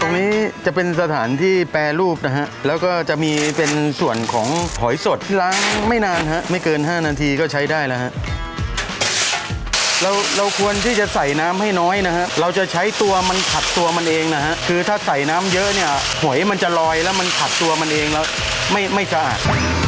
ตรงนี้จะเป็นสถานที่แปรรูปนะฮะแล้วก็จะมีเป็นส่วนของหอยสดที่ล้างไม่นานฮะไม่เกินห้านาทีก็ใช้ได้นะฮะเราเราควรที่จะใส่น้ำให้น้อยนะฮะเราจะใช้ตัวมันขัดตัวมันเองนะฮะคือถ้าใส่น้ำเยอะเนี่ยหอยมันจะลอยแล้วมันขัดตัวมันเองแล้วไม่ไม่สะอาด